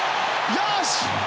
よし！